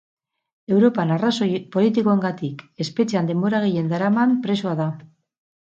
Europan arrazoi politikoengatik espetxean denbora gehien daraman presoa da.